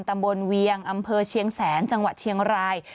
เวียงอำเภอเชียงแสนจังหวัดเชียงราย